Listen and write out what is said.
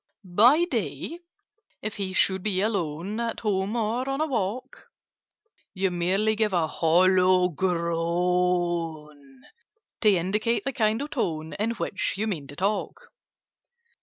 "By day, if he should be alone— At home or on a walk— You merely give a hollow groan, To indicate the kind of tone In which you mean to talk.